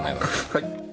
はい。